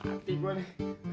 atuh mati gua nih